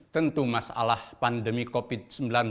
tentu masalah pandemi covid sembilan belas